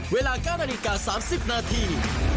เวลากล้าลิกา๓๐นาที